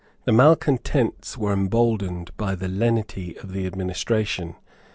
The malecontents were emboldened by the lenity of the administration.